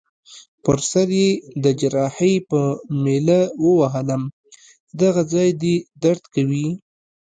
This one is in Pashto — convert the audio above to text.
پر سر يي د جراحۍ په میله ووهلم: دغه ځای دي درد کوي؟